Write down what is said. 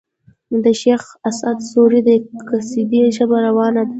د شېخ اسعد سوري د قصيدې ژبه روانه ده.